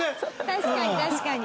確かに確かに。